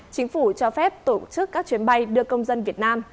chính phủ cho phép tổ chức các chuyến bay đưa công dân việt nam